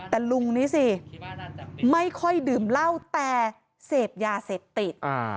แต่ลุงนี้สิไม่ค่อยดื่มเหล้าแต่เสพยาเสพติด